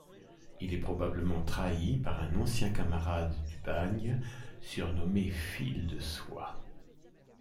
Il est probablement trahi par un ancien camarade du bagne, surnommé Fil-De-Soie.